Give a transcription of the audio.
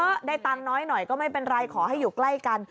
ได้ตังค์น้อยหน่อยก็ไม่เป็นไรขอให้อยู่ใกล้กัน